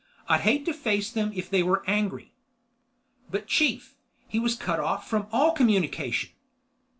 I'd hate to face them if they were angry." "But chief, he was cut off from all communication—?"